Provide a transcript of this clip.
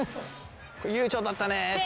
悠長だったねって。